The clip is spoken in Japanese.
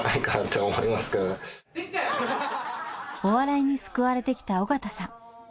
お笑いに救われてきた尾形さん。